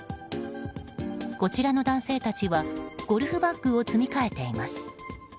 こちらの男性たちはゴルフバッグを積み替えています。